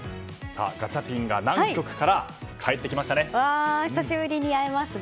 ガチャピンが南極から帰ってきましたね。